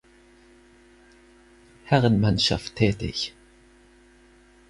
Herrenmannschaft tätig.